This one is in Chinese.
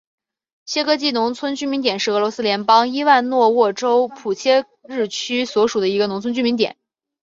谢戈季农村居民点是俄罗斯联邦伊万诺沃州普切日区所属的一个农村居民点。